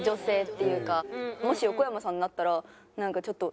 もし横山さんになったらなんかちょっと。